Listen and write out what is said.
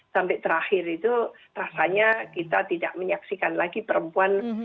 sampai terakhir itu rasanya kita tidak menyaksikan lagi perempuan